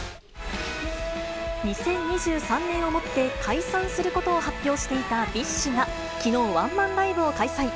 ２０２３年をもって解散することを発表していたＢｉＳＨが、きのう、ワンマンライブを開催。